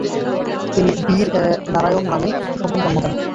তিনি বীর নারায়ণ নামে পুত্র সন্তান জন্ম দেন।